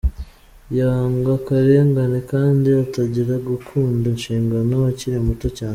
Yanga akarengane kandi atangira gukunda inshingano akiri muto cyane.